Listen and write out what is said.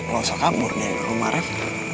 nggak usah kabur dari rumah ref